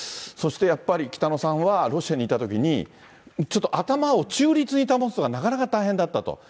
そして、やっぱり北野さんはロシアにいたときにちょっと頭を中立に保つのはなかなか大変だったと。